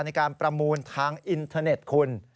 ในการประมูลทางอินเทอร์เน็ตคุณ